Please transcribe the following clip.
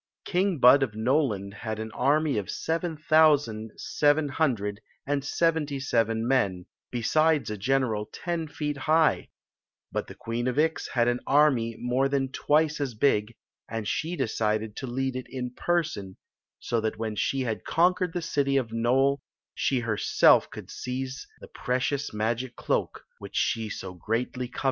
King Bud of Noland had an army of seven thou sand seven hundred and seventy seven men, besides a general ten feet high; but the Queen of Ix had an army more than twice as big, and she decided to lead it in person, so that when she had conquered the city of Nole she herself could seize the precious magic cloak which she so greatly coveted.